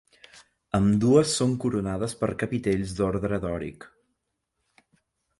Ambdues són coronades per capitells d'ordre dòric.